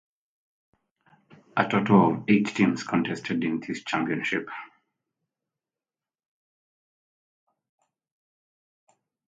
A total of eight teams contested this championship.